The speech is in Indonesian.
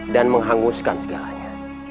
dan menghanguskan segalanya